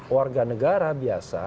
warga negara biasa